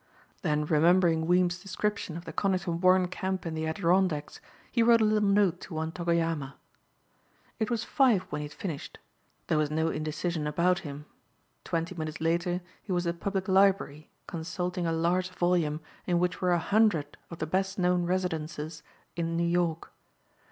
Then remembering Weems' description of the Conington Warren camp in the Adirondacks, he wrote a little note to one Togoyama. It was five when he had finished. There was no indecision about him. Twenty minutes later he was at the Public Library consulting a large volume in which were a hundred of the best known residences in New York.